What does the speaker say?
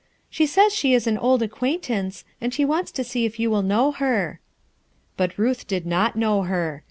"She says she is un old acquaintance, and she wants to sec if you will know her," But Ruth did not know her.